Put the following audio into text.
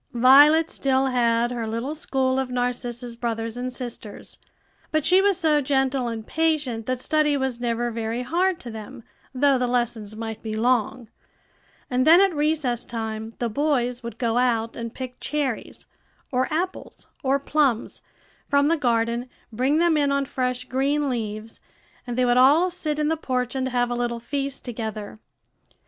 Violet still had her little school of Narcissa's brothers and sisters; but she was so gentle and patient that study was never very hard to them, though the lessons might be long; and then at recess time the boys would go out and pick cherries, or apples, or plums, from the garden, bring them in on fresh green leaves, and they would all sit in the porch and have a little feast together.